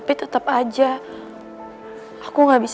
pertanyaan yang terakhir